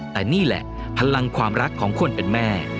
แต่นี่แหละพลังความรักของคนเป็นแม่